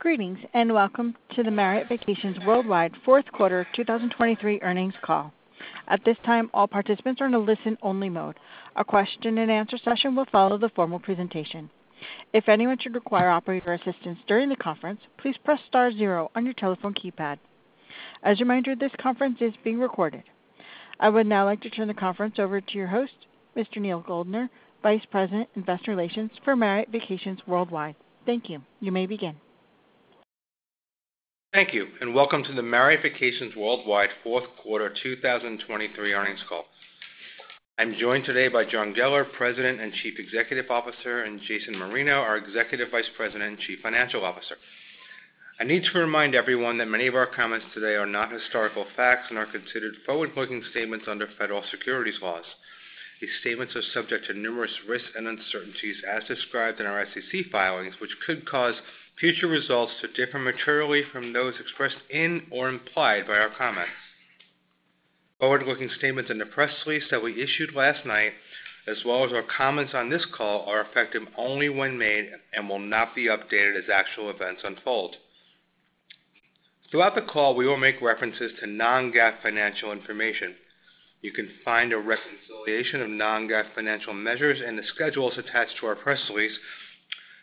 Greetings and welcome to the Marriott Vacations Worldwide fourth quarter 2023 earnings call. At this time, all participants are in a listen-only mode. A question and answer session will follow the formal presentation. If anyone should require operator assistance during the conference, please press star zero on your telephone keypad. As a reminder, this conference is being recorded. I would now like to turn the conference over to your host, Mr. Neal Goldner, Vice President, Investor Relations, for Marriott Vacations Worldwide. Thank you. You may begin. Thank you and welcome to the Marriott Vacations Worldwide fourth quarter 2023 earnings call. I'm joined today by John Geller, President and Chief Executive Officer, and Jason Marino, our Executive Vice President and Chief Financial Officer. I need to remind everyone that many of our comments today are not historical facts and are considered forward-looking statements under federal securities laws. These statements are subject to numerous risks and uncertainties as described in our SEC filings, which could cause future results to differ materially from those expressed in or implied by our comments. Forward-looking statements and the press release that we issued last night, as well as our comments on this call, are effective only when made and will not be updated as actual events unfold. Throughout the call, we will make references to non-GAAP financial information. You can find a reconciliation of non-GAAP financial measures and the schedules attached to our press release,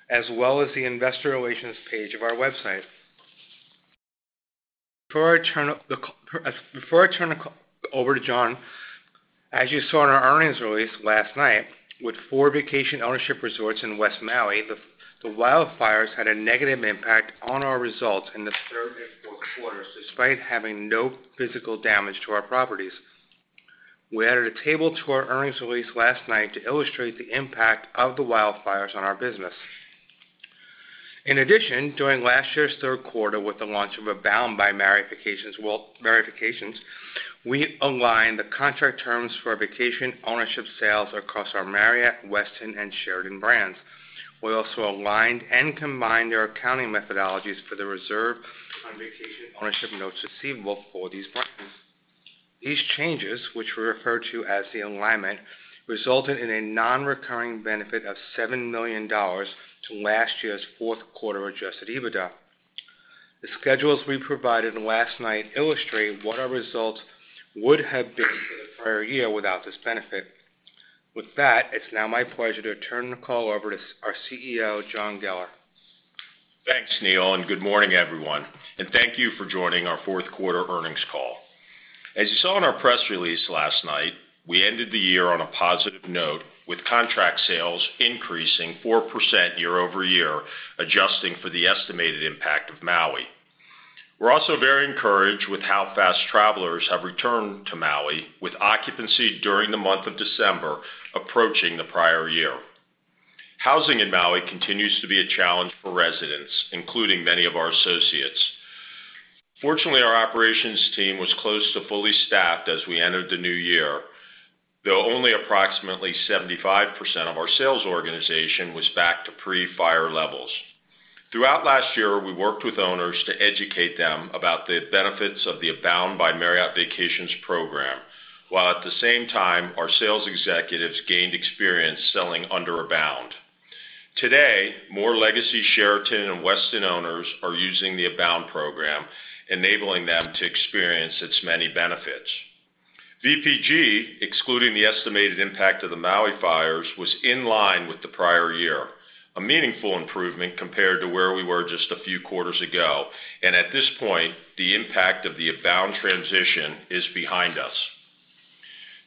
as well as the Investor Relations page of our website. Before I turn the call over to John, as you saw in our earnings release last night, with four vacation ownership resorts in West Maui, the wildfires had a negative impact on our results in the third and fourth quarters despite having no physical damage to our properties. We added a table to our earnings release last night to illustrate the impact of the wildfires on our business. In addition, during last year's third quarter, with the launch of Abound by Marriott Vacations, we aligned the contract terms for vacation ownership sales across our Marriott, Westin, and Sheraton brands. We also aligned and combined our accounting methodologies for the reserve on vacation ownership notes receivable for these brands. These changes, which we refer to as the alignment, resulted in a non-recurring benefit of $7 million to last year's fourth quarter Adjusted EBITDA. The schedules we provided last night illustrate what our results would have been for the prior year without this benefit. With that, it's now my pleasure to turn the call over to our CEO, John Geller. Thanks, Neal, and good morning, everyone. Thank you for joining our fourth quarter earnings call. As you saw in our press release last night, we ended the year on a positive note with contract sales increasing 4% year-over-year, adjusting for the estimated impact of Maui. We're also very encouraged with how fast travelers have returned to Maui, with occupancy during the month of December approaching the prior year. Housing in Maui continues to be a challenge for residents, including many of our associates. Fortunately, our operations team was close to fully staffed as we entered the new year, though only approximately 75% of our sales organization was back to pre-fire levels. Throughout last year, we worked with owners to educate them about the benefits of the Abound by Marriott Vacations program, while at the same time, our sales executives gained experience selling under Abound. Today, more legacy Sheraton and Westin owners are using the Abound program, enabling them to experience its many benefits. VPG, excluding the estimated impact of the Maui fires, was in line with the prior year, a meaningful improvement compared to where we were just a few quarters ago. At this point, the impact of the Abound transition is behind us.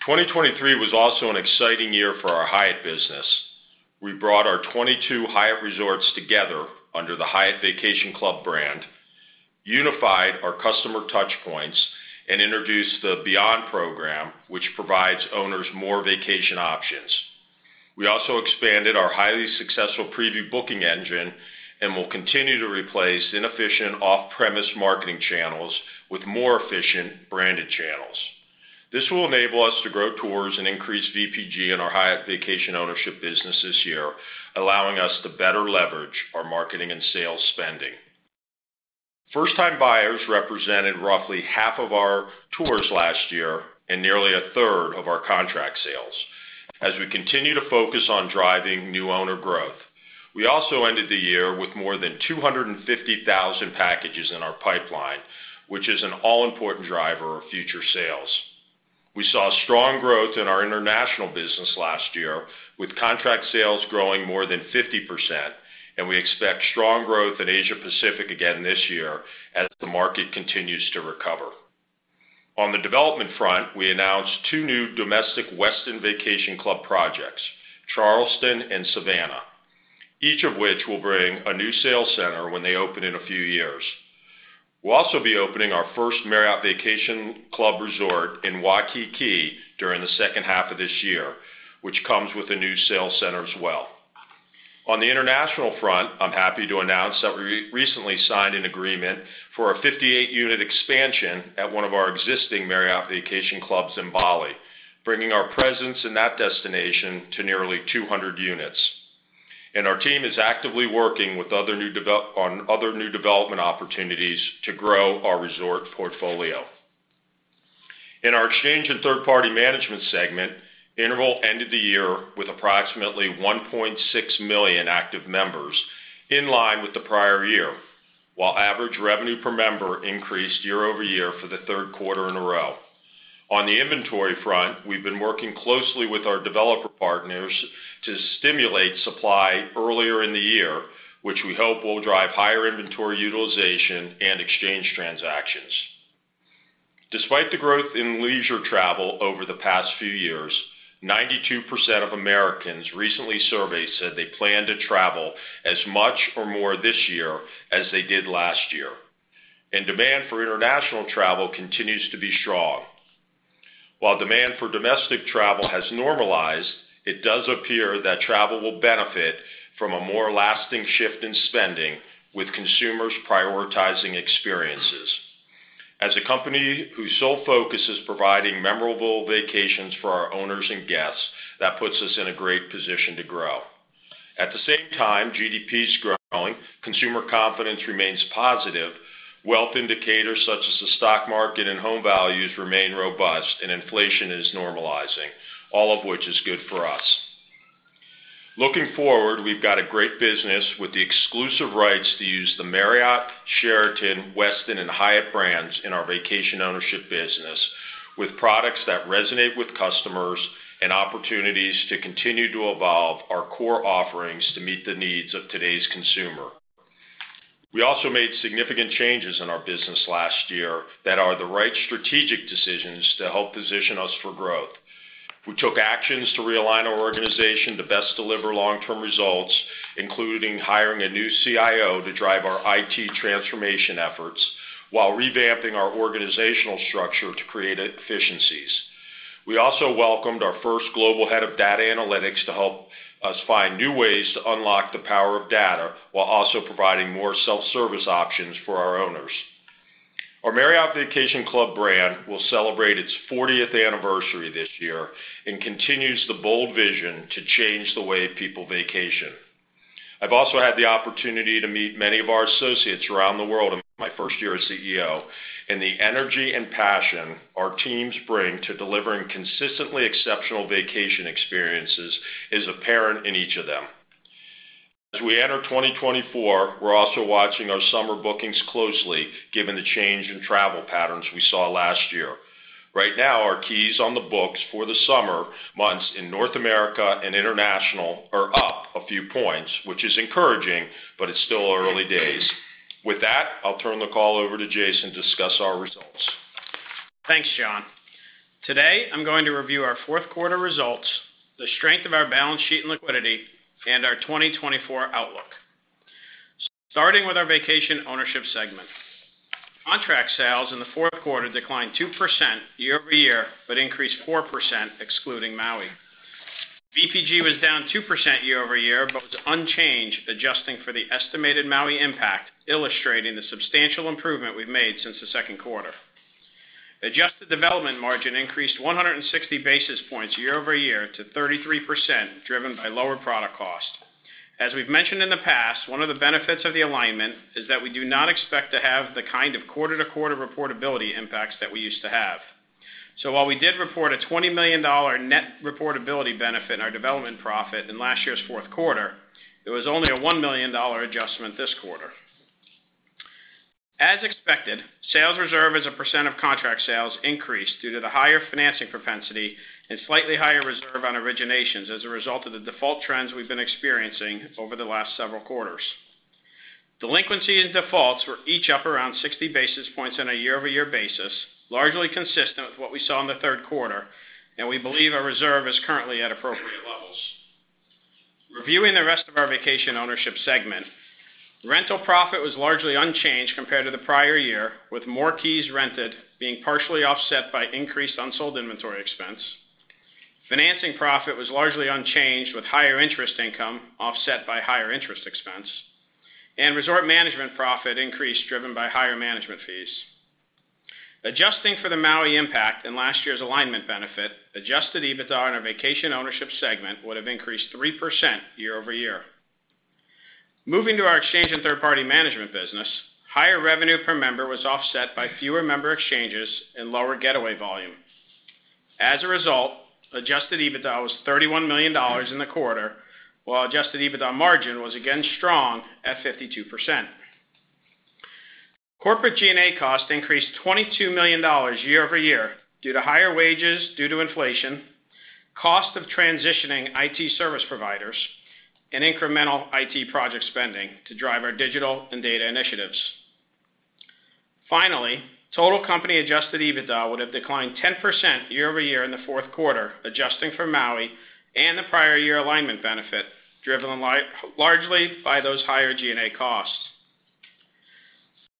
2023 was also an exciting year for our Hyatt business. We brought our 22 Hyatt resorts together under the Hyatt Vacation Club brand, unified our customer touchpoints, and introduced the Beyond program, which provides owners more vacation options. We also expanded our highly successful preview booking engine and will continue to replace inefficient off-premise marketing channels with more efficient branded channels. This will enable us to grow tours and increase VPG in our Hyatt Vacation ownership business this year, allowing us to better leverage our marketing and sales spending. First-time buyers represented roughly half of our tours last year and nearly a third of our contract sales, as we continue to focus on driving new owner growth. We also ended the year with more than 250,000 packages in our pipeline, which is an all-important driver of future sales. We saw strong growth in our international business last year, with contract sales growing more than 50%, and we expect strong growth in Asia-Pacific again this year as the market continues to recover. On the development front, we announced two new domestic Westin Vacation Club projects, Charleston and Savannah, each of which will bring a new sales center when they open in a few years. We'll also be opening our first Marriott Vacation Club resort in Waikiki during the second half of this year, which comes with a new sales center as well. On the international front, I'm happy to announce that we recently signed an agreement for a 58-unit expansion at one of our existing Marriott Vacation Clubs in Bali, bringing our presence in that destination to nearly 200 units. Our team is actively working with other new development opportunities to grow our resort portfolio. In our exchange and third-party management segment, Interval ended the year with approximately 1.6 million active members, in line with the prior year, while average revenue per member increased year-over-year for the third quarter in a row. On the inventory front, we've been working closely with our developer partners to stimulate supply earlier in the year, which we hope will drive higher inventory utilization and exchange transactions. Despite the growth in leisure travel over the past few years, 92% of Americans recently surveyed said they plan to travel as much or more this year as they did last year. Demand for international travel continues to be strong. While demand for domestic travel has normalized, it does appear that travel will benefit from a more lasting shift in spending, with consumers prioritizing experiences. As a company whose sole focus is providing memorable vacations for our owners and guests, that puts us in a great position to grow. At the same time, GDP is growing, consumer confidence remains positive, wealth indicators such as the stock market and home values remain robust, and inflation is normalizing, all of which is good for us. Looking forward, we've got a great business with the exclusive rights to use the Marriott, Sheraton, Westin, and Hyatt brands in our vacation ownership business, with products that resonate with customers and opportunities to continue to evolve our core offerings to meet the needs of today's consumer. We also made significant changes in our business last year that are the right strategic decisions to help position us for growth. We took actions to realign our organization to best deliver long-term results, including hiring a new CIO to drive our IT transformation efforts while revamping our organizational structure to create efficiencies. We also welcomed our first global head of data analytics to help us find new ways to unlock the power of data while also providing more self-service options for our owners. Our Marriott Vacation Club brand will celebrate its 40th anniversary this year and continues the bold vision to change the way people vacation. I've also had the opportunity to meet many of our associates around the world in my first year as CEO, and the energy and passion our teams bring to delivering consistently exceptional vacation experiences is apparent in each of them. As we enter 2024, we're also watching our summer bookings closely given the change in travel patterns we saw last year. Right now, our keys on the books for the summer months in North America and international are up a few points, which is encouraging, but it's still early days. With that, I'll turn the call over to Jason to discuss our results. Thanks, John. Today, I'm going to review our fourth quarter results, the strength of our balance sheet and liquidity, and our 2024 outlook. Starting with our vacation ownership segment, contract sales in the fourth quarter declined 2% year-over -year but increased 4% excluding Maui. VPG was down 2% year-over-year but was unchanged, adjusting for the estimated Maui impact, illustrating the substantial improvement we've made since the second quarter. Adjusted development margin increased 160 basis points year-over-year to 33%, driven by lower product cost. As we've mentioned in the past, one of the benefits of the alignment is that we do not expect to have the kind of quarter-to-quarter reportability impacts that we used to have. So while we did report a $20 million net reportability benefit in our development profit in last year's fourth quarter, there was only a $1 million adjustment this quarter. As expected, sales reserve as a percent of Contract Sales increased due to the higher financing propensity and slightly higher reserve on originations as a result of the default trends we've been experiencing over the last several quarters. Delinquencies and defaults were each up around 60 basis points on a year-over-year basis, largely consistent with what we saw in the third quarter, and we believe our reserve is currently at appropriate levels. Reviewing the rest of our Vacation Ownership segment, Rental profit was largely unchanged compared to the prior year, with more keys rented being partially offset by increased unsold inventory expense. Financing profit was largely unchanged, with higher interest income offset by higher interest expense. Resort Management profit increased, driven by higher management fees. Adjusting for the Maui impact and last year's alignment benefit, Adjusted EBITDA on our Vacation Ownership segment would have increased 3% year-over-year. Moving to our exchange and third-party management business, higher revenue per member was offset by fewer member exchanges and lower Getaway volume. As a result, adjusted EBITDA was $31 million in the quarter, while adjusted EBITDA margin was again strong at 52%. Corporate G&A cost increased $22 million year-over-year due to higher wages due to inflation, cost of transitioning IT service providers, and incremental IT project spending to drive our digital and data initiatives. Finally, total company adjusted EBITDA would have declined 10% year-over-year in the fourth quarter, adjusting for Maui and the prior year alignment benefit, driven largely by those higher G&A costs.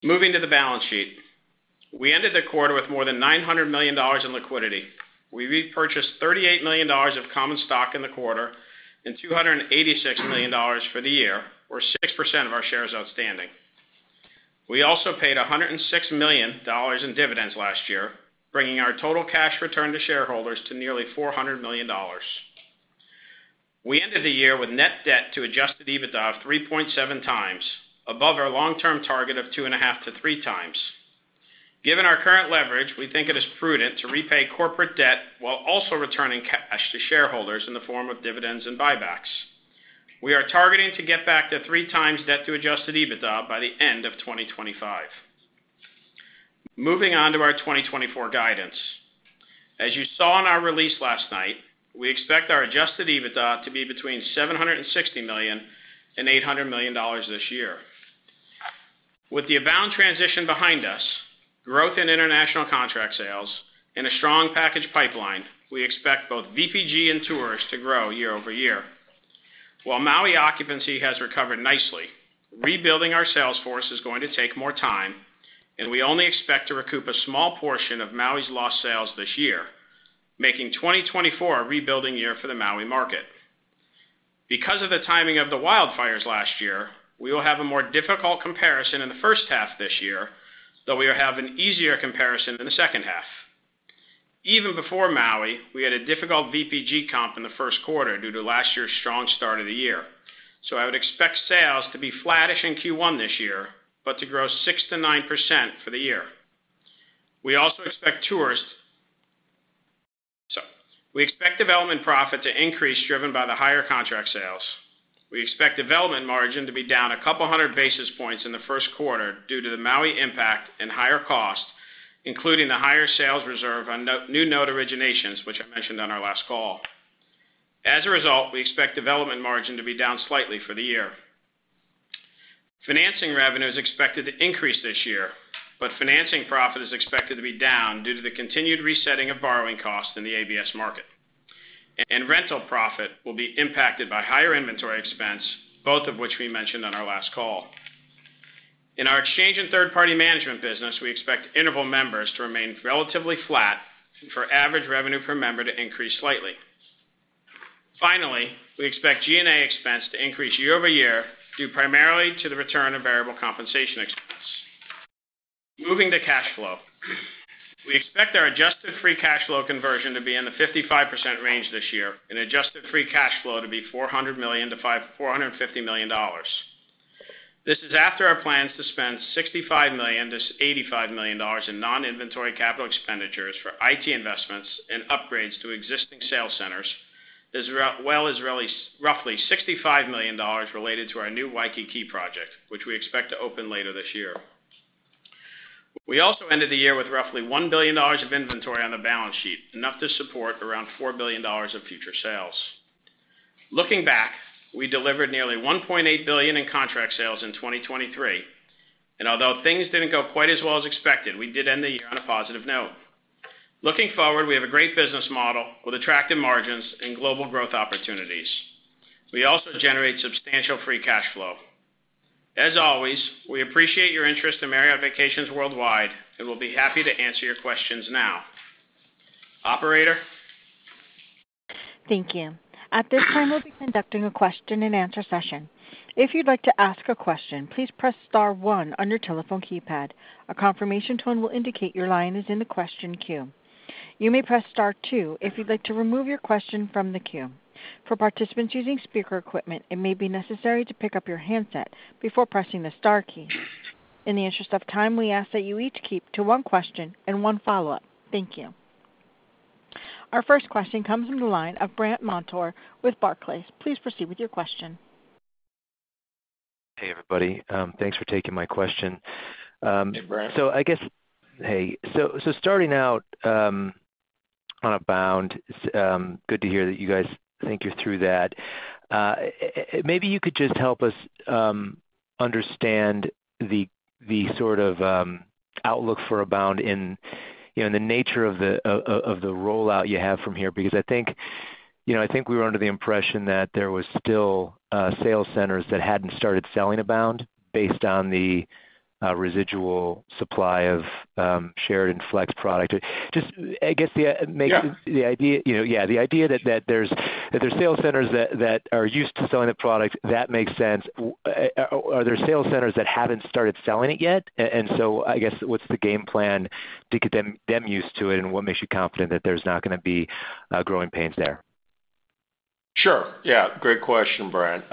Moving to the balance sheet, we ended the quarter with more than $900 million in liquidity. We repurchased $38 million of common stock in the quarter and $286 million for the year, where 6% of our shares outstanding. We also paid $106 million in dividends last year, bringing our total cash return to shareholders to nearly $400 million. We ended the year with net debt to Adjusted EBITDA of 3.7 times, above our long-term target of 2.5-3 times. Given our current leverage, we think it is prudent to repay corporate debt while also returning cash to shareholders in the form of dividends and buybacks. We are targeting to get back to 3 times debt to Adjusted EBITDA by the end of 2025. Moving on to our 2024 guidance, as you saw in our release last night, we expect our Adjusted EBITDA to be between $760 million and $800 million this year. With the Abound transition behind us, growth in international contract sales, and a strong package pipeline, we expect both VPG and tours to grow year-over-year. While Maui occupancy has recovered nicely, rebuilding our sales force is going to take more time, and we only expect to recoup a small portion of Maui's lost sales this year, making 2024 a rebuilding year for the Maui market. Because of the timing of the wildfires last year, we will have a more difficult comparison in the first half this year, though we will have an easier comparison in the second half. Even before Maui, we had a difficult VPG comp in the first quarter due to last year's strong start of the year. So I would expect sales to be flattish in Q1 this year but to grow 6%-9% for the year. We also expect development profit to increase, driven by the higher contract sales. We expect development margin to be down 200 basis points in the first quarter due to the Maui impact and higher cost, including the higher sales reserve on new note originations, which I mentioned on our last call. As a result, we expect development margin to be down slightly for the year. Financing revenue is expected to increase this year, but financing profit is expected to be down due to the continued resetting of borrowing costs in the ABS market. And rental profit will be impacted by higher inventory expense, both of which we mentioned on our last call. In our exchange and third-party management business, we expect Interval members to remain relatively flat and for average revenue per member to increase slightly. Finally, we expect G&A expense to increase year-over-year due primarily to the return of variable compensation expense. Moving to cash flow, we expect our adjusted free cash flow conversion to be in the 55% range this year and adjusted free cash flow to be $450 million. This is after our plans to spend $65 million-$85 million in non-inventory capital expenditures for IT investments and upgrades to existing sales centers, as well as roughly $65 million related to our new Waikiki project, which we expect to open later this year. We also ended the year with roughly $1 billion of inventory on the balance sheet, enough to support around $4 billion of future sales. Looking back, we delivered nearly $1.8 billion in contract sales in 2023, and although things didn't go quite as well as expected, we did end the year on a positive note. Looking forward, we have a great business model with attractive margins and global growth opportunities. We also generate substantial free cash flow. As always, we appreciate your interest in Marriott Vacations Worldwide and will be happy to answer your questions now. Operator? Thank you. At this time, we'll be conducting a question-and-answer session. If you'd like to ask a question, please press star 1 on your telephone keypad. A confirmation tone will indicate your line is in the question queue. You may press star 2 if you'd like to remove your question from the queue. For participants using speaker equipment, it may be necessary to pick up your handset before pressing the star key. In the interest of time, we ask that you each keep to one question and one follow-up. Thank you. Our first question comes from the line of Brandt Montour with Barclays. Please proceed with your question. Hey, everybody. Thanks for taking my question. Hey, Brant. Starting out on Abound, it's good to hear that you guys think you're through that. It may be you could just help us understand the sort of outlook for Abound in, you know, in the nature of the rollout you have from here, because I think, you know, I think we were under the impression that there was still sales centers that hadn't started selling Abound based on the residual supply of Sheraton Flex product. Just, I guess the makes. Mm-hmm. The idea, you know, yeah. The idea that there's sales centers that are used to selling the product, that makes sense. Are there sales centers that haven't started selling it yet? And so I guess what's the game plan to get them used to it, and what makes you confident that there's not going to be growing pains there? Sure. Yeah. Great question, Brant.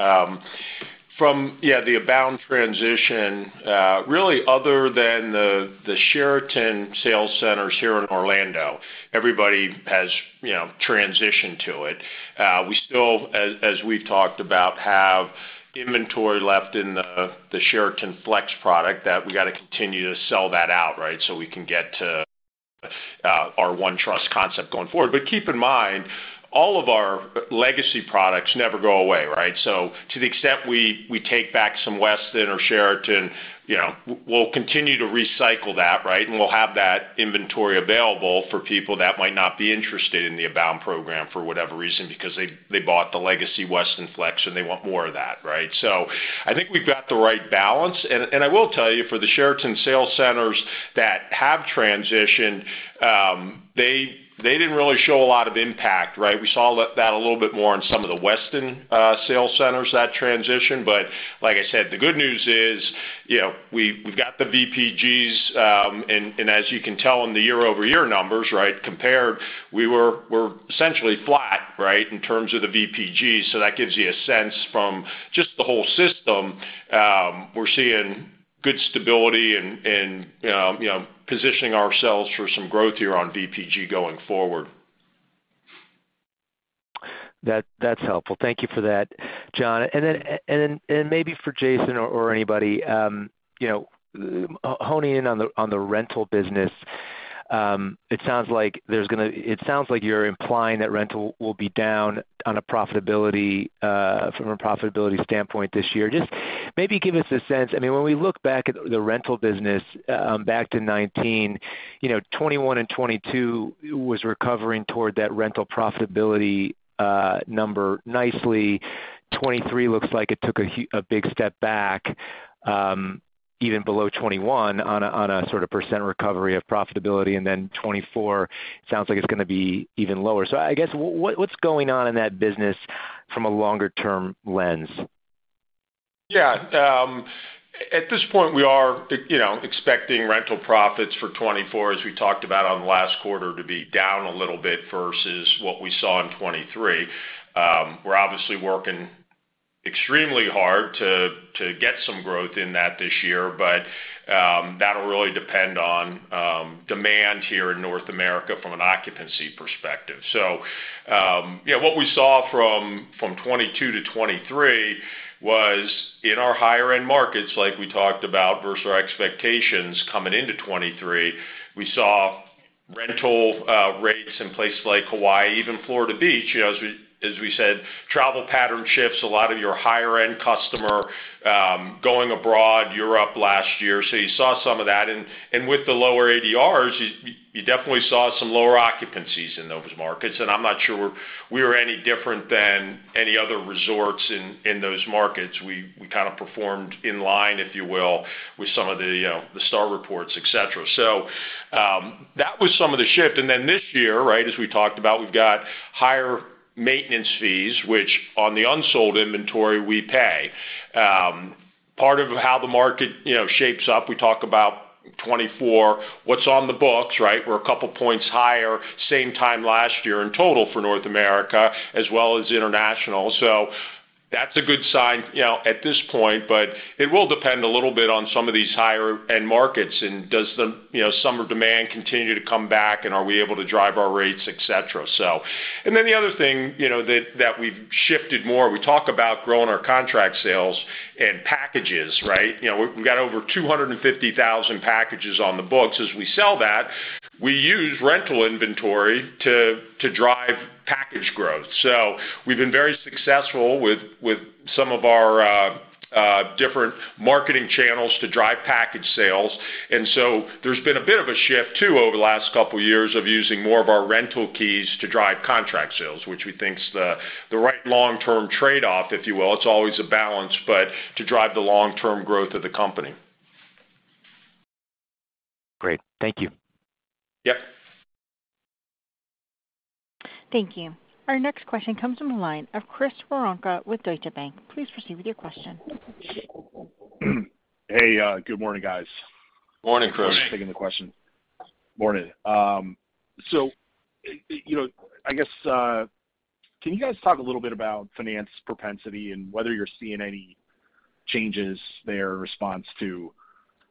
Yeah, from the Abound transition, really, other than the, the Sheraton sales centers here in Orlando, everybody has, you know, transitioned to it. We still, as, as we've talked about, have inventory left in the, the Sheraton Flex product that we got to continue to sell that out, right, so we can get to, our One Trust concept going forward. But keep in mind, all of our legacy products never go away, right? So to the extent we, we take back some Westin or Sheraton, you know, w-we'll continue to recycle that, right, and we'll have that inventory available for people that might not be interested in the Abound program for whatever reason, because they, they bought the legacy Westin Flex, and they want more of that, right? So I think we've got the right balance. I will tell you, for the Sheraton sales centers that have transitioned, they didn't really show a lot of impact, right? We saw a little bit more in some of the Westin sales centers, that transition. But like I said, the good news is, you know, we've got the VPGs, and as you can tell in the year-over-year numbers, right, compared, we're essentially flat, right, in terms of the VPGs. So that gives you a sense from just the whole system, we're seeing good stability and, you know, positioning ourselves for some growth here on VPG going forward. That’s helpful. Thank you for that, John. And then, maybe for Jason or anybody, you know, opinion on the rental business. It sounds like you’re implying that rental will be down on a profitability, from a profitability standpoint this year. Just maybe give us a sense. I mean, when we look back at the rental business, back to 2019, you know, 2021 and 2022 was recovering toward that rental profitability number nicely. 2023 looks like it took a big step back, even below 2021 on a sort of percent recovery of profitability. And then 2024, it sounds like it’s going to be even lower. So I guess what’s going on in that business from a longer-term lens? Yeah. At this point, we are, you know, expecting rental profits for 2024, as we talked about on the last quarter, to be down a little bit versus what we saw in 2023. We're obviously working extremely hard to get some growth in that this year, but, that'll really depend on demand here in North America from an occupancy perspective. So, yeah, what we saw from 2022 to 2023 was, in our higher-end markets, like we talked about, versus our expectations coming into 2023, we saw rental rates in places like Hawaii, even Florida beaches, you know, as we said, travel pattern shifts, a lot of your higher-end customer going abroad, Europe last year. So you saw some of that. And with the lower ADRs, you definitely saw some lower occupancies in those markets. I'm not sure we were any different than any other resorts in those markets. We kind of performed in line, if you will, with some of the, you know, the STR reports, etc. So, that was some of the shift. And then this year, right, as we talked about, we've got higher maintenance fees, which on the unsold inventory, we pay part of how the market, you know, shapes up, we talk about 2024, what's on the books, right, we're a couple points higher, same time last year in total for North America, as well as international. So that's a good sign, you know, at this point, but it will depend a little bit on some of these higher-end markets and does the, you know, summer demand continue to come back, and are we able to drive our rates, etc. So and then the other thing, you know, that, that we've shifted more, we talk about growing our contract sales and packages, right? You know, we've got over 250,000 packages on the books. As we sell that, we use rental inventory to, to drive package growth. So we've been very successful with, with some of our, different marketing channels to drive package sales. And so there's been a bit of a shift, too, over the last couple years of using more of our rental keys to drive contract sales, which we think, the right long-term trade-off, if you will. It's always a balance, but to drive the long-term growth of the company. Great. Thank you. Yep. Thank you. Our next question comes from the line of Chris Woronka with Deutsche Bank. Please proceed with your question. Hey, good morning, guys. Morning, Chris. Morning. Taking the question. Morning. So, you know, I guess, can you guys talk a little bit about finance propensity and whether you're seeing any changes there in response to,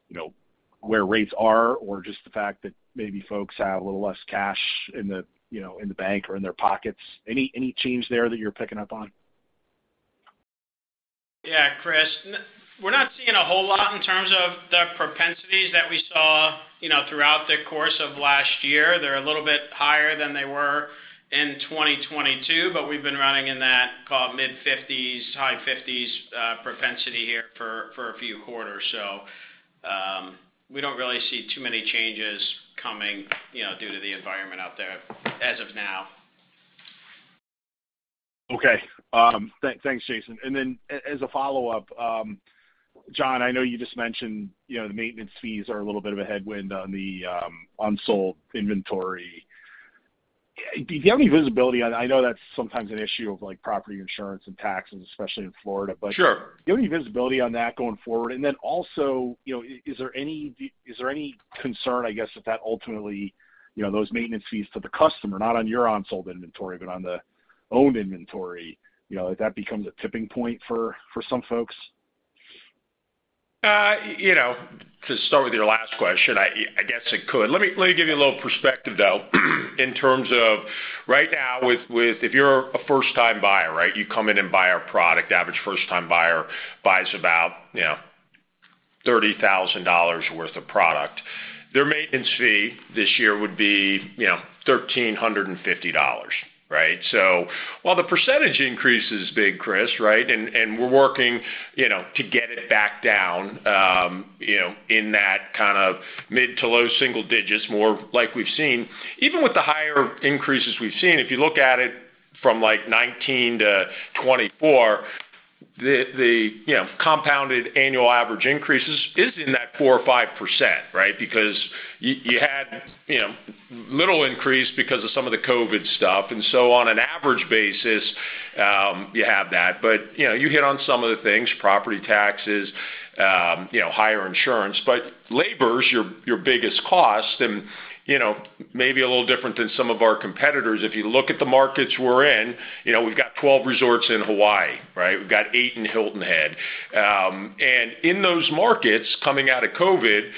you know, where rates are or just the fact that maybe folks have a little less cash in the, you know, in the bank or in their pockets? Any, any change there that you're picking up on? Yeah, Chris. And we're not seeing a whole lot in terms of the propensities that we saw, you know, throughout the course of last year. They're a little bit higher than they were in 2022, but we've been running in that, call it, mid-50s, high-50s, propensity here for a few quarters. So, we don't really see too many changes coming, you know, due to the environment out there as of now. Okay. Thanks, Jason. And then as a follow-up, John, I know you just mentioned, you know, the maintenance fees are a little bit of a headwind on the unsold inventory. Do you have any visibility on I know that's sometimes an issue of, like, property insurance and taxes, especially in Florida, but. Sure. Do you have any visibility on that going forward? And then also, you know, is there any concern, I guess, that ultimately, you know, those maintenance fees to the customer, not on your unsold inventory, but on the owned inventory, you know, that becomes a tipping point for some folks? You know, to start with your last question, I guess it could. Let me give you a little perspective, though, in terms of right now, with if you're a first-time buyer, right, you come in and buy our product, average first-time buyer buys about, you know, $30,000 worth of product. Their maintenance fee this year would be, you know, $1,350, right? So while the percentage increase is big, Chris, right, and we're working, you know, to get it back down, you know, in that kind of mid- to low-single digits, more like we've seen even with the higher increases we've seen, if you look at it from, like, 2019 to 2024, the you know, compounded annual average increase is in that 4% or 5%, right, because you had, you know, little increase because of some of the COVID stuff. And so, on an average basis, you have that. But, you know, you hit on some of the things, property taxes, you know, higher insurance. But labor's your, your biggest cost. And, you know, maybe a little different than some of our competitors. If you look at the markets we're in, you know, we've got 12 resorts in Hawaii, right? We've got 8 in Hilton Head. And in those markets, coming out of COVID,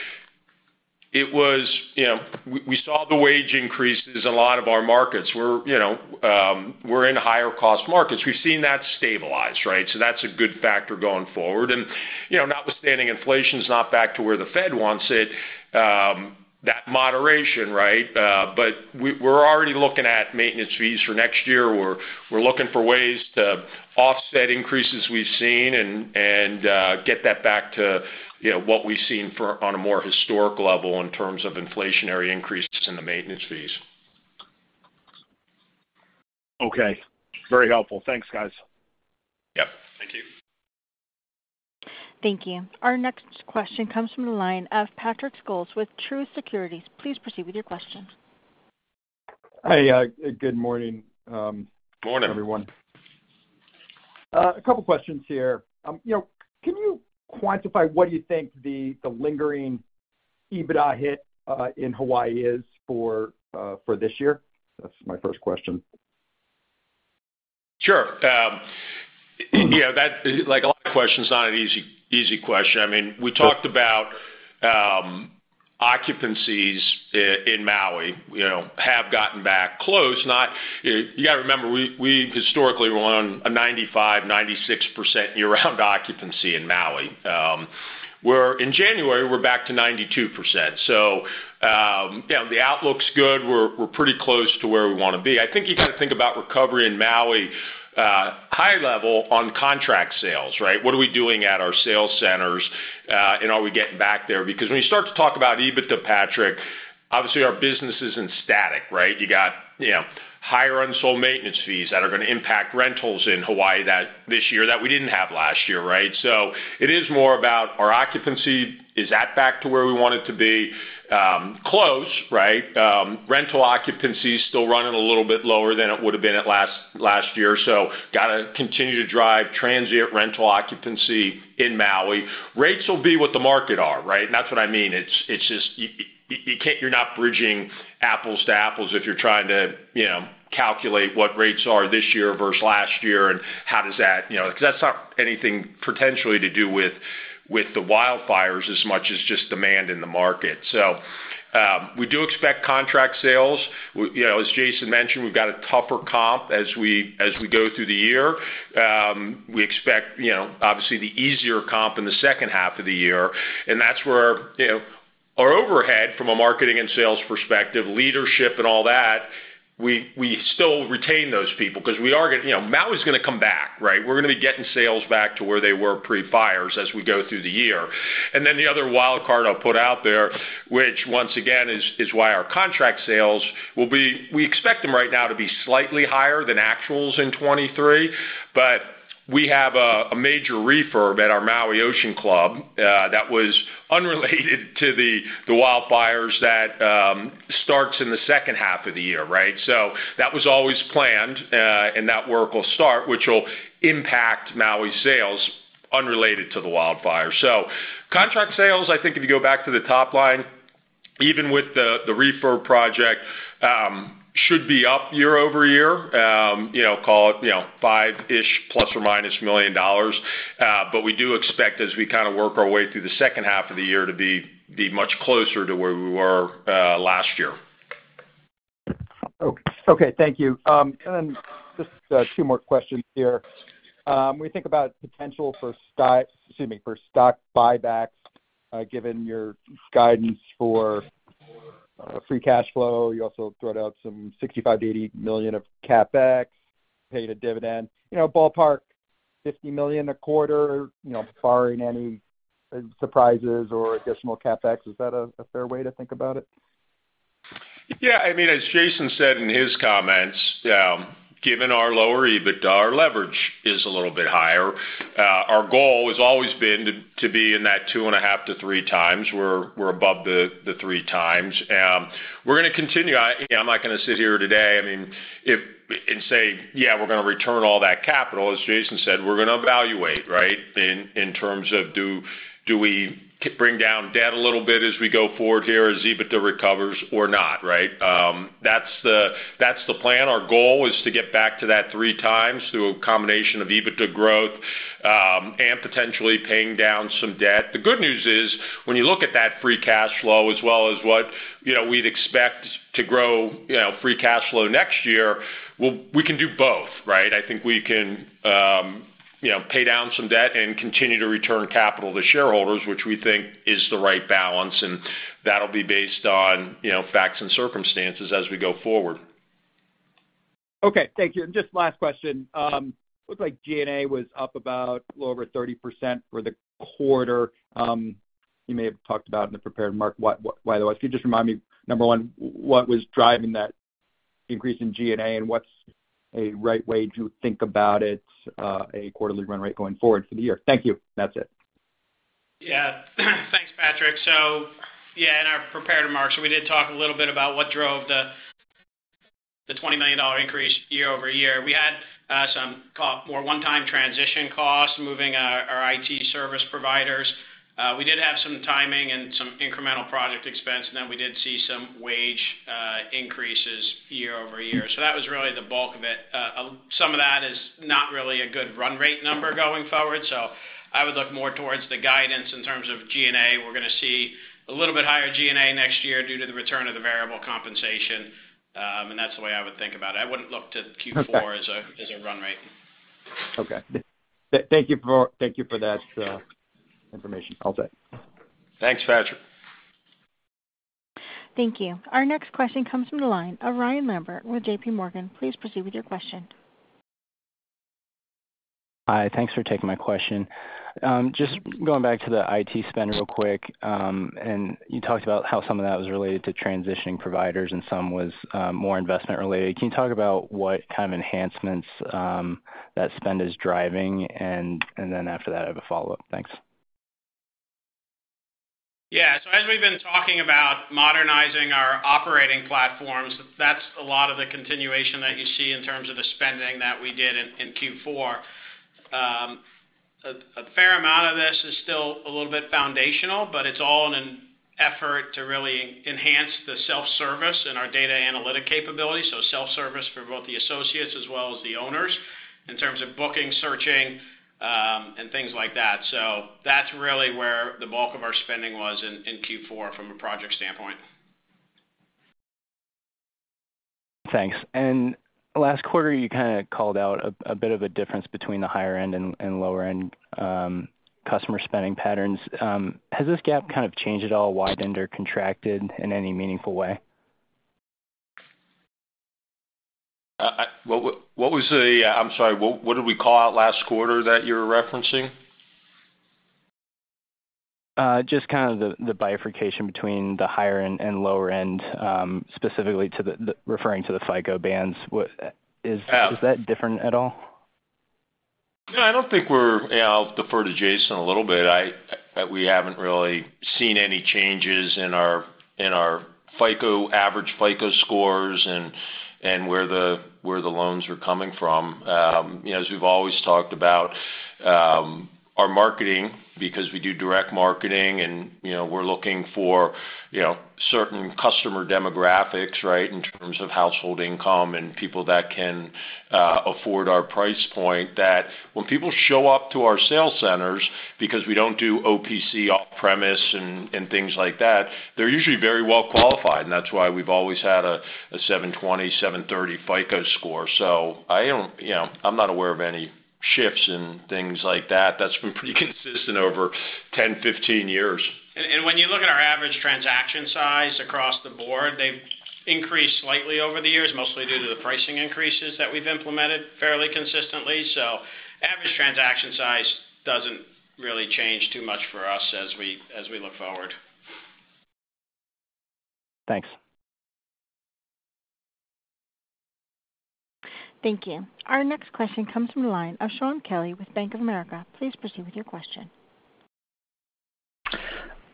it was, you know, we, we saw the wage increases in a lot of our markets. We're, you know, we're in higher-cost markets. We've seen that stabilize, right? So that's a good factor going forward. And, you know, notwithstanding inflation's not back to where the Fed wants it, that moderation, right, but we, we're already looking at maintenance fees for next year. We're looking for ways to offset increases we've seen and get that back to, you know, what we've seen for on a more historic level in terms of inflationary increases in the maintenance fees. Okay. Very helpful. Thanks, guys. Yep. Thank you. Thank you. Our next question comes from the line of Patrick Scholes with Truist Securities. Please proceed with your question. Hi. Good morning. Morning Everyone. A couple questions here. You know, can you quantify what do you think the lingering EBITDA hit in Hawaii is for this year? That's my first question. Sure. You know, that, like, a lot of questions. Not an easy, easy question. I mean, we talked about occupancies in Maui, you know, have gotten back close. No, you got to remember, we historically were on a 95%-96% year-round occupancy in Maui, where in January, we're back to 92%. So, you know, the outlook's good. We're pretty close to where we want to be. I think you got to think about recovery in Maui, high level on contract sales, right? What are we doing at our sales centers, and are we getting back there? Because when you start to talk about EBITDA, Patrick, obviously, our business isn't static, right? You got, you know, higher unsold maintenance fees that are going to impact rentals in Hawaii this year that we didn't have last year, right? So it is more about our occupancy, is that back to where we want it to be? Close, right? Rental occupancy's still running a little bit lower than it would have been last year. So got to continue to drive transient rental occupancy in Maui. Rates will be what the market bears, right? And that's what I mean. It's just you can't, you're not comparing apples to apples if you're trying to, you know, calculate what rates are this year versus last year and how does that, you know, because that's not anything potentially to do with the wildfires as much as just demand in the market. So, we do expect contract sales. We, you know, as Jason mentioned, we've got a tougher comp as we go through the year. We expect, you know, obviously, the easier comp in the second half of the year. And that's where, you know, our overhead from a marketing and sales perspective, leadership and all that, we still retain those people because we are going to, you know, Maui's going to come back, right? We're going to be getting sales back to where they were pre-fires as we go through the year. And then the other wildcard I'll put out there, which once again is why our contract sales will be—we expect them right now to be slightly higher than actuals in 2023. But we have a major refurb at our Maui Ocean Club that was unrelated to the wildfires that starts in the second half of the year, right? So that was always planned, and that work will start, which will impact Maui's sales unrelated to the wildfires. So contract sales, I think, if you go back to the top line, even with the refurb project, should be up year-over-year, you know, call it, you know, $5-ish ± million. But we do expect, as we kind of work our way through the second half of the year, to be much closer to where we were last year. Okay. Okay. Thank you. Then just two more questions here. When you think about potential for stock, excuse me, for stock buybacks, given your guidance for free cash flow, you also threw out some $65-$80 million of CapEx, paid a dividend, you know, ballpark $50 million a quarter, you know, barring any surprises or additional CapEx. Is that a fair way to think about it? Yeah. I mean, as Jason said in his comments, given our lower EBITDA, our leverage is a little bit higher. Our goal has always been to be in that 2.5-3 times. We're above the 3 times. We're going to continue. I, you know, I'm not going to sit here today. I mean, and say, "Yeah, we're going to return all that capital," as Jason said. We're going to evaluate, right, in terms of do we bring down debt a little bit as we go forward here as EBITDA recovers or not, right? That's the plan. Our goal is to get back to that 3x through a combination of EBITDA growth, and potentially paying down some debt. The good news is, when you look at that free cash flow as well as what, you know, we'd expect to grow, you know, free cash flow next year, we can do both, right? I think we can, you know, pay down some debt and continue to return capital to shareholders, which we think is the right balance. And that'll be based on, you know, facts and circumstances as we go forward. Okay. Thank you. And just last question. Looks like G&A was up about a little over 30% for the quarter. You may have talked about in the prepared remarks, what was the why? If you just remind me, number one, what was driving that increase in G&A, and what's a right way to think about it, a quarterly run rate going forward for the year? Thank you. That's it. Yeah. Thanks, Patrick. So yeah, in our prepared remarks, so we did talk a little bit about what drove the $20 million increase year-over-year. We had some couple more one-time transition costs, moving our IT service providers. We did have some timing and some incremental project expense, and then we did see some wage increases year-over-year. So that was really the bulk of it. Some of that is not really a good run rate number going forward. So I would look more towards the guidance in terms of G&A. We're going to see a little bit higher G&A next year due to the return of the variable compensation. And that's the way I would think about it. I wouldn't look to Q4 as a run rate. Okay. Thank you for that information. All set. Thanks, Patrick. Thank you. Our next question comes from the line of Ryan Lambert with JP Morgan. Please proceed with your question. Hi. Thanks for taking my question. Just going back to the IT spend real quick, and you talked about how some of that was related to transitioning providers and some was more investment-related. Can you talk about what kind of enhancements that spend is driving? And then after that, I have a follow-up. Thanks. Yeah. So as we've been talking about modernizing our operating platforms, that's a lot of the continuation that you see in terms of the spending that we did in Q4. A fair amount of this is still a little bit foundational, but it's all in an effort to really enhance the self-service and our data analytic capabilities, so self-service for both the associates as well as the owners in terms of booking, searching, and things like that. So that's really where the bulk of our spending was in Q4 from a project standpoint. Thanks. Last quarter, you kind of called out a bit of a difference between the higher-end and lower-end customer spending patterns. Has this gap kind of changed at all? Widened or contracted in any meaningful way? What was the? I'm sorry. What did we call out last quarter that you were referencing? Just kind of the bifurcation between the higher-end and lower-end, specifically referring to the FICO bands. What is that different at all? No. I don't think we're, you know, I'll defer to Jason a little bit. I, we haven't really seen any changes in our FICO average FICO scores and where the loans are coming from. You know, as we've always talked about, our marketing, because we do direct marketing, and, you know, we're looking for certain customer demographics, right, in terms of household income and people that can afford our price point, that when people show up to our sales centers because we don't do OPC off-premise and things like that, they're usually very well-qualified. And that's why we've always had a 720-730 FICO score. So I don't, you know, I'm not aware of any shifts in things like that. That's been pretty consistent over 10-15 years. When you look at our average transaction size across the board, they've increased slightly over the years, mostly due to the pricing increases that we've implemented fairly consistently. So average transaction size doesn't really change too much for us as we look forward. Thanks. Thank you. Our next question comes from the line of Shaun Kelley with Bank of America. Please proceed with your question.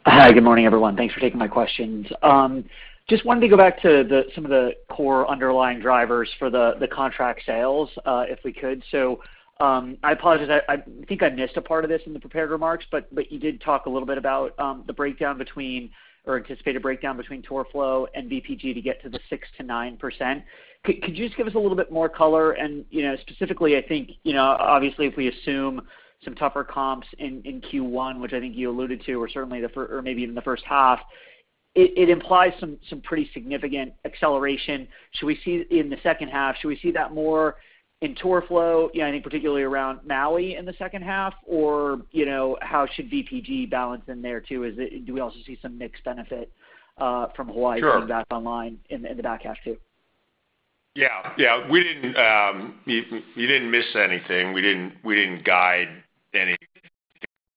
Hi. Good morning, everyone. Thanks for taking my questions. Just wanted to go back to some of the core underlying drivers for the contract sales, if we could. So, I apologize. I think I missed a part of this in the prepared remarks, but you did talk a little bit about the breakdown or anticipated breakdown between tour flow and VPG to get to the 6%-9%. Could you just give us a little bit more color? And, you know, specifically, I think, you know, obviously, if we assume some tougher comps in Q1, which I think you alluded to, or certainly the first or maybe even the first half, it implies some pretty significant acceleration. Should we see that in the second half? Should we see that more in tour flow? You know, I think particularly around Maui in the second half, or, you know, how should VPG balance in there too? Is it do we also see some mixed benefit from Hawaii coming back online in, in the back half too? Sure. Yeah. Yeah. We didn't, you, you didn't miss anything. We didn't guide anything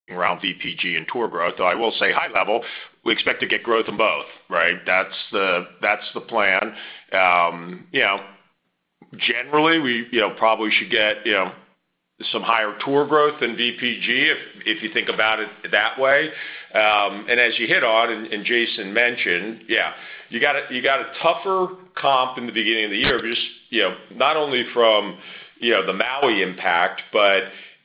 around VPG and tour growth. Though I will say high level, we expect to get growth in both, right? That's the plan. You know, generally, we, you know, probably should get, you know, some higher tour growth than VPG if, if you think about it that way. And as you hit on and, and Jason mentioned, yeah, you got a tougher comp in the beginning of the year just, you know, not only from, you know, the Maui impact, but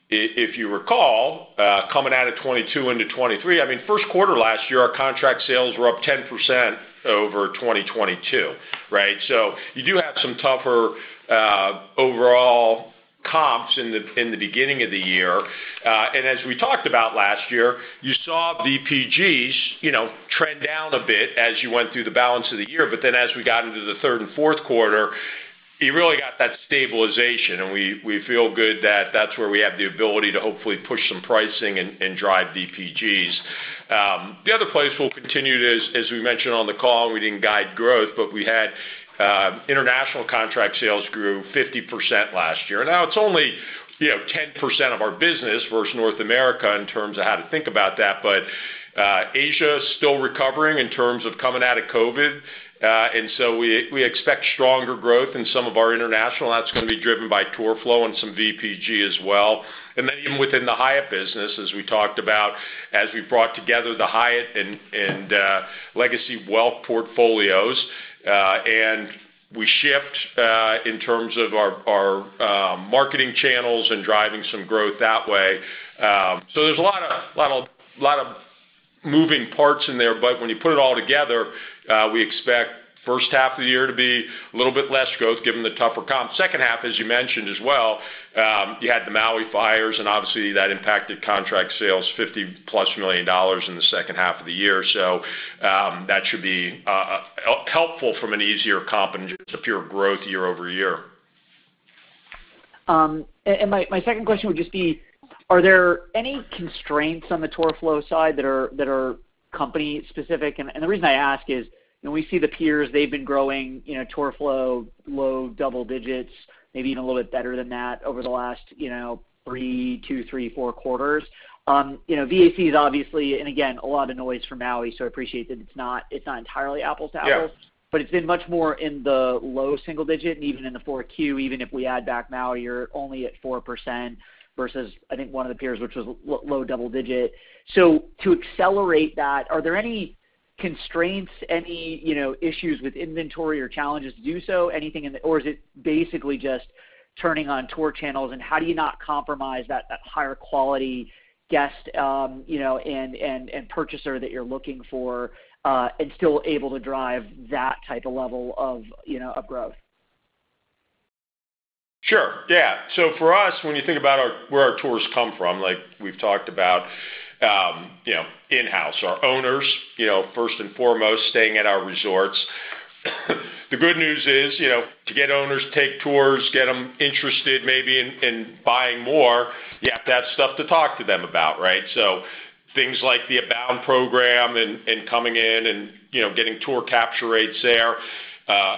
if you recall, coming out of 2022 into 2023, I mean, first quarter last year, our contract sales were up 10% over 2022, right? So you do have some tougher, overall comps in the beginning of the year. As we talked about last year, you saw VPGs, you know, trend down a bit as you went through the balance of the year. But then as we got into the third and fourth quarter, you really got that stabilization. And we feel good that that's where we have the ability to hopefully push some pricing and drive VPGs. The other place we'll continue to, as we mentioned on the call, and we didn't guide growth, but we had international contract sales grow 50% last year. Now, it's only, you know, 10% of our business versus North America in terms of how to think about that. But Asia's still recovering in terms of coming out of COVID. And so we expect stronger growth in some of our international. That's going to be driven by tour flow and some VPG as well. And then even within the Hyatt business, as we talked about, as we brought together the Hyatt and legacy Welk portfolios, and we shifted in terms of our marketing channels and driving some growth that way. So there's a lot of moving parts in there. But when you put it all together, we expect first half of the year to be a little bit less growth given the tougher comp. Second half, as you mentioned as well, you had the Maui fires, and obviously, that impacted contract sales, $50+ million in the second half of the year. So that should be helpful from an easier comp and just a pure growth year-over-year. my second question would just be, are there any constraints on the tour flow side that are company-specific? And the reason I ask is, you know, we see the peers. They've been growing, you know, tour flow low double digits, maybe even a little bit better than that over the last two, three, four quarters. You know, VAC is obviously and again, a lot of noise for Maui, so I appreciate that it's not entirely apples to apples. Yeah. But it's been much more in the low single digit. And even in the 4Q, even if we add back Maui, you're only at 4% versus, I think, one of the peers, which was low double-digit. So to accelerate that, are there any constraints, any, you know, issues with inventory or challenges to do so? Anything in the or is it basically just turning on tour channels? And how do you not compromise that higher-quality guest, you know, and purchaser that you're looking for, and still able to drive that type of level of, you know, of growth? Sure. Yeah. So for us, when you think about our, where our tours come from, like we've talked about, you know, in-house, our owners, you know, first and foremost, staying at our resorts. The good news is, you know, to get owners to take tours, get them interested maybe in, in buying more, you have that stuff to talk to them about, right? So things like the Abound program and, and coming in and, you know, getting tour capture rates there,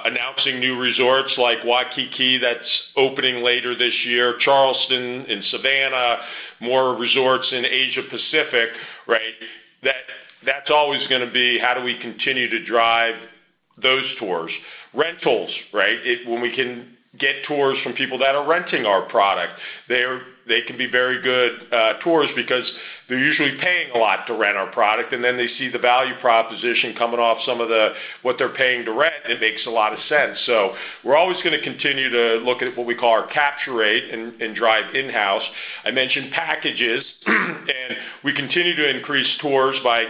announcing new resorts like Waikiki that's opening later this year, Charleston and Savannah, more resorts in Asia-Pacific, right? That, that's always going to be, how do we continue to drive those tours? Rentals, right? It, when we can get tours from people that are renting our product, they're, they can be very good tours because they're usually paying a lot to rent our product. And then they see the value proposition coming off some of the what they're paying to rent. It makes a lot of sense. So we're always going to continue to look at what we call our capture rate and drive in-house. I mentioned packages. And we continue to increase tours by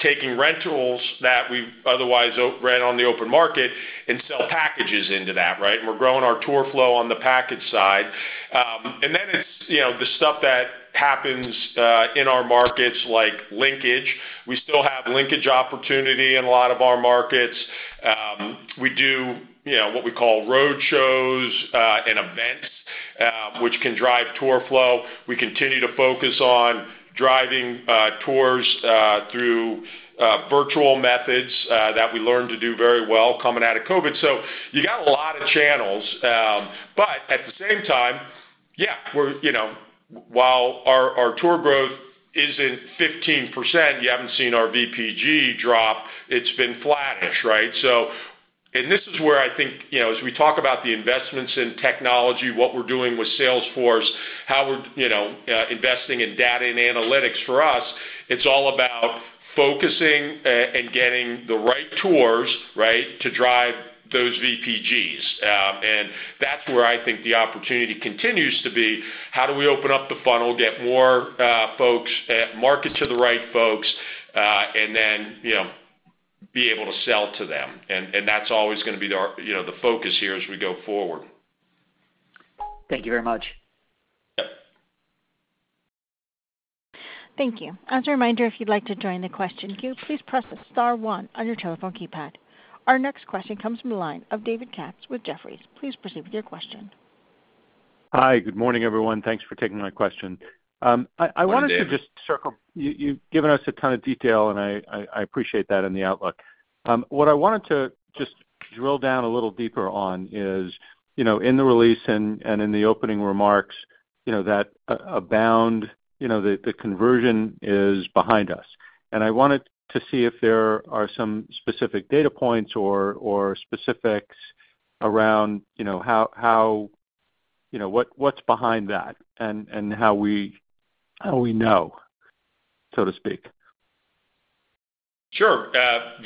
taking rentals that we otherwise would rent on the open market and sell packages into that, right? And we're growing our tour flow on the package side. And then it's, you know, the stuff that happens in our markets like linkage. We still have linkage opportunity in a lot of our markets. We do, you know, what we call road shows and events, which can drive tour flow. We continue to focus on driving tours through virtual methods that we learned to do very well coming out of COVID. So you got a lot of channels. But at the same time, yeah, we're, you know, while our tour growth isn't 15%, you haven't seen our VPG drop. It's been flat-ish, right? So, and this is where I think, you know, as we talk about the investments in technology, what we're doing with Salesforce, how we're, you know, investing in data and analytics for us, it's all about focusing and getting the right tours, right, to drive those VPGs. And that's where I think the opportunity continues to be. How do we open up the funnel, get more folks, market to the right folks, and then, you know, be able to sell to them? And that's always going to be the rub, you know, the focus here as we go forward. Thank you very much. Yep. Thank you. As a reminder, if you'd like to join the question queue, please press the star 1 on your telephone keypad. Our next question comes from the line of David Katz with Jefferies. Please proceed with your question. Hi. Good morning, everyone. Thanks for taking my question. I wanted to just circle. Good morning. You've given us a ton of detail, and I appreciate that and the outlook. What I wanted to just drill down a little deeper on is, you know, in the release and in the opening remarks, you know, that Abound, you know, the conversion is behind us. I wanted to see if there are some specific data points or specifics around, you know, how you know what's behind that and how we know, so to speak. Sure.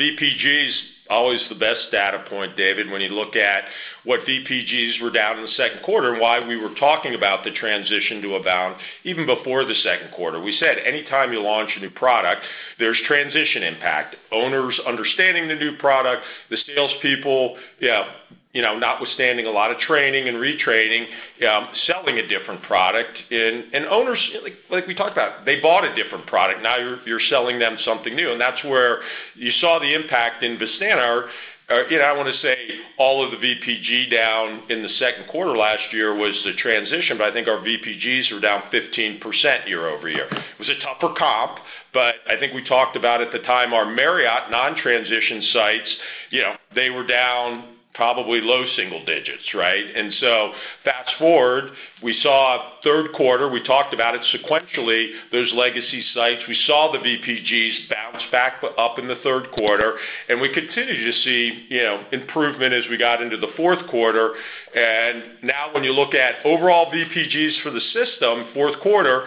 VPG's always the best data point, David, when you look at what VPGs were down in the second quarter and why we were talking about the transition to Abound even before the second quarter. We said, anytime you launch a new product, there's transition impact. Owners understanding the new product, the sales people, you know, you know, notwithstanding a lot of training and retraining, you know, selling a different product. And, and owners like, like we talked about, they bought a different product. Now you're, you're selling them something new. And that's where you saw the impact in Vistana or, or you know, I want to say all of the VPG down in the second quarter last year was the transition. But I think our VPGs were down 15% year-over-year. It was a tougher comp, but I think we talked about at the time, our Marriott non-transition sites, you know, they were down probably low single digits, right? And so fast forward, we saw third quarter. We talked about it sequentially. Those legacy sites, we saw the VPGs bounce back up in the third quarter. And we continued to see, you know, improvement as we got into the fourth quarter. And now when you look at overall VPGs for the system, fourth quarter,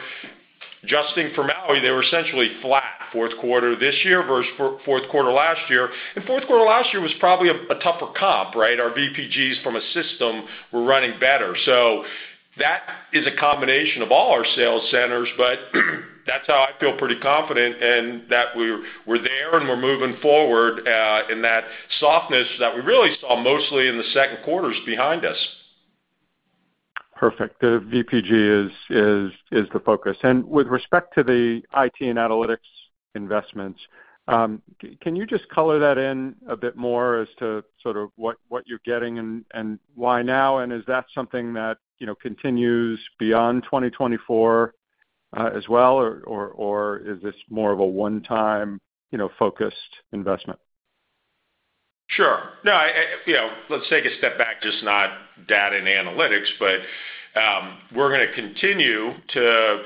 adjusting for Maui, they were essentially flat fourth quarter this year versus fourth quarter last year. And fourth quarter last year was probably a tougher comp, right? Our VPGs from a system were running better. So that is a combination of all our sales centers. That's how I feel pretty confident and that we're there, and we're moving forward in that softness that we really saw mostly in the second quarters behind us. Perfect. The VPG is the focus. And with respect to the IT and analytics investments, can you just color that in a bit more as to sort of what you're getting and why now? And is that something that, you know, continues beyond 2024, as well? Or is this more of a one-time, you know, focused investment? Sure. No, I, you know, let's take a step back, just not data and analytics. But we're going to continue to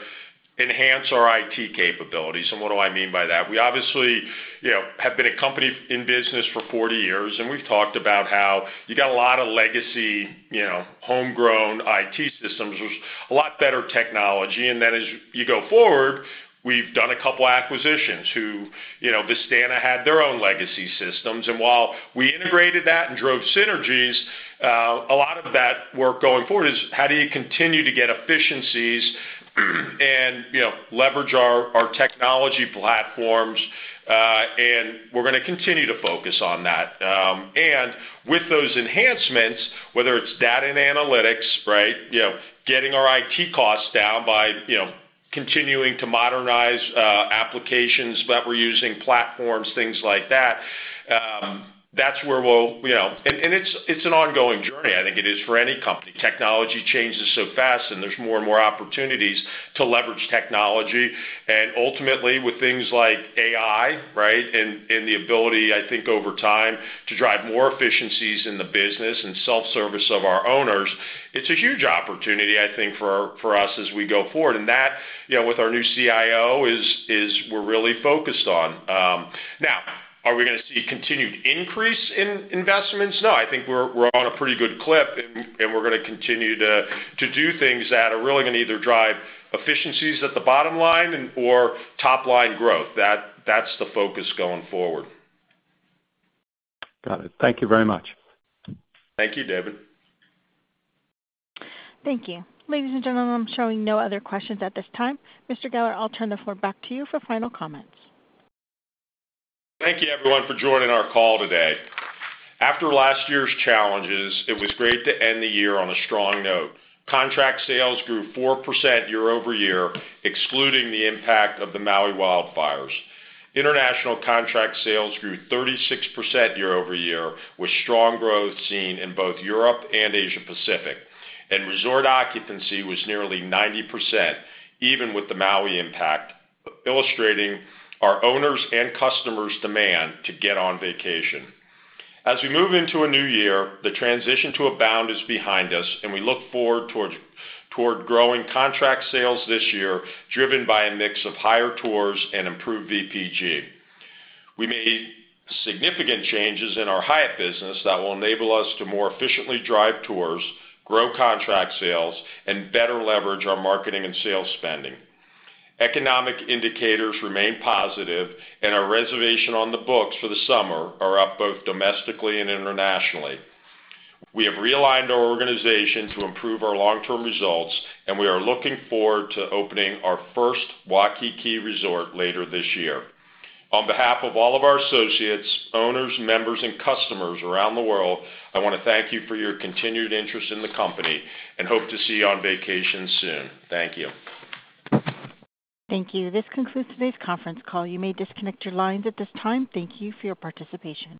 enhance our IT capabilities. And what do I mean by that? We obviously, you know, have been a company in business for 40 years. And we've talked about how you got a lot of legacy, you know, homegrown IT systems, which a lot better technology. And then as you go forward, we've done a couple of acquisitions who, you know, Vistana had their own legacy systems. And while we integrated that and drove synergies, a lot of that work going forward is, how do you continue to get efficiencies and, you know, leverage our technology platforms? And we're going to continue to focus on that. With those enhancements, whether it's data and analytics, right, you know, getting our IT costs down by, you know, continuing to modernize applications that we're using, platforms, things like that, that's where we'll, you know, and it's an ongoing journey. I think it is for any company. Technology changes so fast, and there's more and more opportunities to leverage technology. And ultimately, with things like AI, right, and the ability, I think, over time to drive more efficiencies in the business and self-service of our owners, it's a huge opportunity, I think, for us as we go forward. And that, you know, with our new CIO, we're really focused on. Now, are we going to see continued increase in investments? No, I think we're on a pretty good clip. And we're going to continue to do things that are really going to either drive efficiencies at the bottom line and/or top-line growth. That's the focus going forward. Got it. Thank you very much. Thank you, David. Thank you. Ladies and gentlemen, I'm showing no other questions at this time. Mr. Geller, I'll turn the floor back to you for final comments. Thank you, everyone, for joining our call today. After last year's challenges, it was great to end the year on a strong note. Contract sales grew 4% year-over-year, excluding the impact of the Maui wildfires. International contract sales grew 36% year-over-year with strong growth seen in both Europe and Asia-Pacific. Resort occupancy was nearly 90% even with the Maui impact, illustrating our owners' and customers' demand to get on vacation. As we move into a new year, the transition to Abound is behind us, and we look forward toward growing contract sales this year driven by a mix of higher tours and improved VPG. We made significant changes in our Hyatt business that will enable us to more efficiently drive tours, grow contract sales, and better leverage our marketing and sales spending. Economic indicators remain positive, and our reservations on the books for the summer are up both domestically and internationally. We have realigned our organization to improve our long-term results, and we are looking forward to opening our first Waikiki resort later this year. On behalf of all of our associates, owners, members, and customers around the world, I want to thank you for your continued interest in the company and hope to see you on vacation soon. Thank you. Thank you. This concludes today's conference call. You may disconnect your lines at this time. Thank you for your participation.